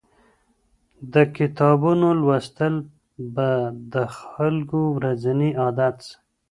د کتابونو لوستل به د خلګو ورځنی عادت سي.